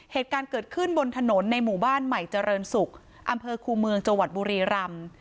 เหตุการณ์เกิดขึ้นบนถนนในหมู่บ้านใหม่เจริญศุกร์อำเภอคูเมืองจังหวัดบุรีรำ